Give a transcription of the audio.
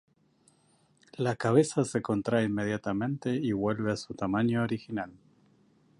La cabeza se contrae inmediatamente y vuelve a su tamaño original.